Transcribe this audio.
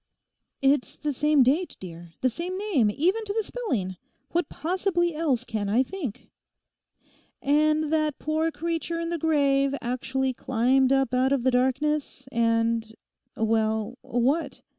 'It's the same date, dear, the same name even to the spelling; what possibly else can I think?' 'And that the poor creature in the grave actually climbed up out of the darkness and—well, what?